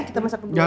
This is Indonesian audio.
kita masak berdua ya